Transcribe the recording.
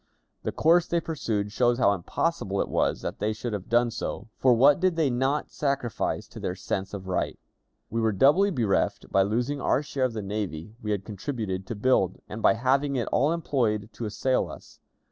The course they pursued shows how impossible it was that they should have done so, for what did they not sacrifice to their sense of right! We were doubly bereft by losing our share of the navy we had contributed to build, and by having it all employed to assail us.